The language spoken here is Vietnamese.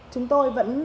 chúng tôi vẫn